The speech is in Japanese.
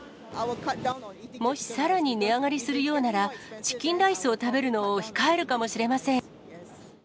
もしさらに値上がりするようなら、チキンライスを食べるのを控えるかもしれません。